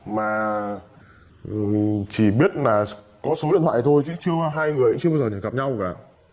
mà chỉ biết là có số điện thoại thôi chứ chưa có hai người chưa bao giờ được gặp nhau cả